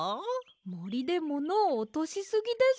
もりでものをおとしすぎです。